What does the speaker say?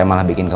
ya masih pun itu